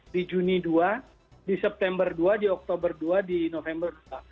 di juni dua di september dua di oktober dua di november dua